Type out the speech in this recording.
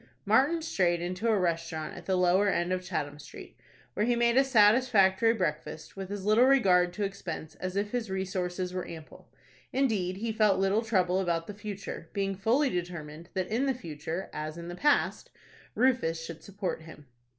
Martin strayed into a restaurant at the lower end of Chatham Street, where he made a satisfactory breakfast, with as little regard to expense as if his resources were ample. Indeed, he felt little trouble about the future, being fully determined that in the future, as in the past, Rufus should support him.